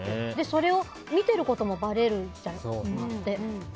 それを見ていることもばれるじゃない、今って。